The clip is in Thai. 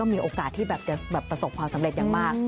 มีโอกาสที่แบบจะประสบความสำเร็จอย่างมาก